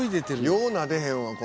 「ようなでへんわこの犬」